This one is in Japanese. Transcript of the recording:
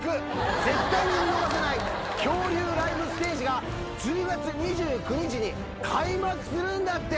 絶対に見逃せない恐竜ライブステージが１０月２９日に開幕するんだって